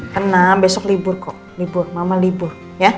karena besok libur kok libur mama libur ya